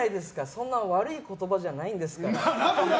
そんな悪い言葉じゃないんですから。